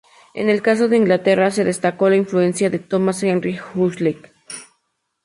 En el caso de Inglaterra se destacó la influencia de Thomas Henry Huxley.